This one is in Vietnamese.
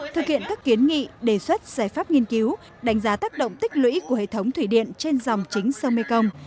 thực hiện các kiến nghị đề xuất giải pháp nghiên cứu đánh giá tác động tích lũy của hệ thống thủy điện trên dòng chính sông mekong